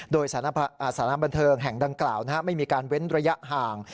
โดยสถานบันเทิงแห่งดังกล่าวไม่มีการเว้นระยะห่าง